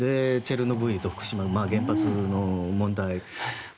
チェルノブイリと福島原発の問題。